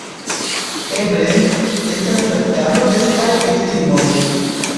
Eble, estas la viando de siaj viktimoj